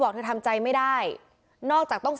พี่น้องวาหรือว่าน้องวาหรือ